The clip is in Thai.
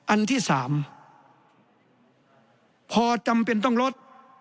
อันที่๓พอจำเป็นต้องลด